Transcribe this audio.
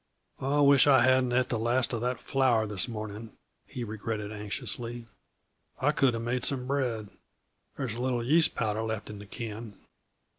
"I wish I hadn't eat the last uh the flour this morning," he regretted anxiously. "I coulda made some bread; there's a little yeast powder left in the can.